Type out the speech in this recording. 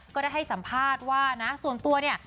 ก็ได้ให้สัมภาษณ์ว่านะส่วนตัวเนี่ย